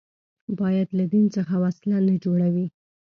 باید له دین څخه وسله نه جوړوي